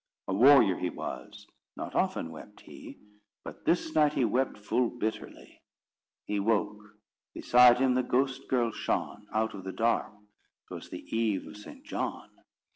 A warrior he was, not often wept he, But this night he wept full bitterly. He woke—beside him the ghost girl shone Out of the dark: 'twas the eve of St. John.